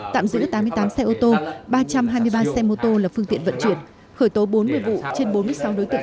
tạm giữ tám mươi tám xe ô tô ba trăm hai mươi ba xe mô tô là phương tiện vận chuyển khởi tố bốn mươi vụ trên bốn mươi sáu đối tượng